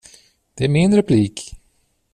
Det är min replik.